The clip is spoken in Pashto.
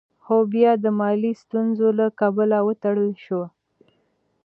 خو بيا د مالي ستونزو له کبله وتړل شوه.